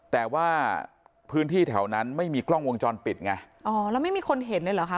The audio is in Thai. แต่ว่าพื้นที่แถวนั้นไม่มีกล้องวงจรปิดไงอ๋อแล้วไม่มีคนเห็นเลยเหรอคะ